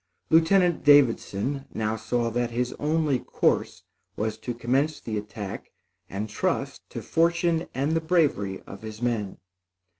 Lieutenant Davidson now saw that his only course was to commence the attack and trust to fortune and the bravery of his men.